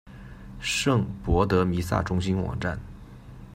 圣博德弥撒中心网站